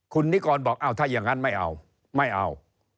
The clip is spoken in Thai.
คุณนิกรบอกเอาถ้าอย่างนั้นไม่เอาไม่เอา